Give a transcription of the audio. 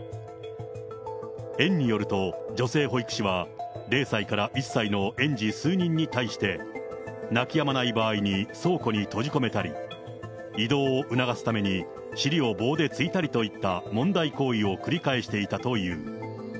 園によると、女性保育士は０歳から１歳の園児数人に対して、泣きやまない場合に倉庫に閉じ込めたり、移動を促すために尻を棒で突いたりといった問題行為を繰り返していたという。